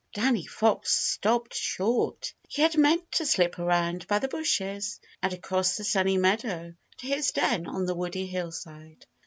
Danny Fox stopped short. He had meant to slip around by the bushes and across the Sunny Meadow to his den on the woody hillside.